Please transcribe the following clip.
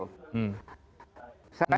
saya selama ini diam